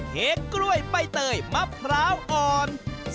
เค้กกล้วยใบเตยมะพร้าวอ่อน